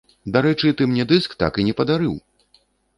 Дарэчы, ты мне дыск так і не падарыў!